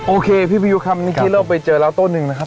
โอเคพี่พยุครับนิกกี้เราไปเจอแล้วต้นหนึ่งนะครับ